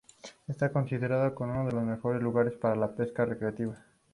Está considerado como uno de los mejores lugares para la pesca recreativa.